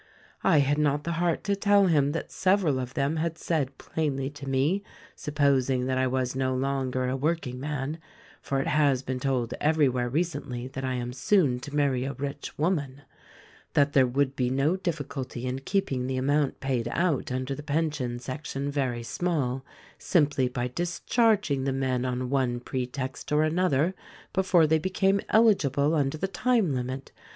"I had not the heart to tell him that several of them had said plainly to me — supposing that I was no longer a work ing man — for it has been told everywhere recently that I am soon to marry a rich woman — that there would be no diffi culty' in keeping the amount paid out under the pension sec tion very small, simply by discharging the men on one pre text or another before they became eligible under the time limit.